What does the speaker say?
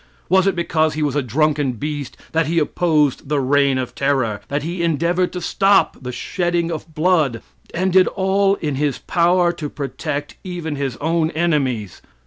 Was it because he was a drunken beast that he opposed the "Reign of Terror " that he endeavored to stop the shedding of blood, and did all in his power to protect even his own enemies?